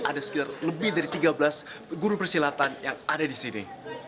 ada sekitar lebih dari tiga belas guru persilatan yang ada di sini